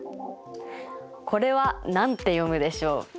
これは何て読むでしょう？